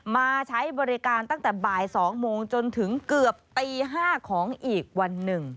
มาใช้บริการตั้งแต่บ่าย๒โมงจนถึงเกือบตี๕ของอีกวันหนึ่ง